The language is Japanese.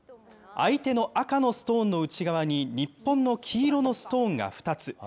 相手の赤のストーンの内側に日本の黄色のストーンが２つ。